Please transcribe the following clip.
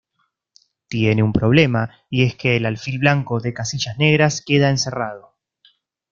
Tiene un problema, y es que el alfil blanco de casillas negras queda encerrado.